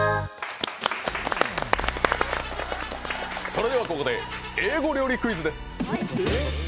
それではここで英語料理クイズです。